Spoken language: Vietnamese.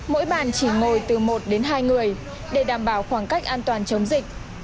mỗi bàn chỉ ngồi từ một đến hai người để đảm bảo khoảng cách an toàn chống dịch